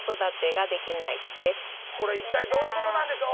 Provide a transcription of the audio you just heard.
これ一体どういうことなんでしょう？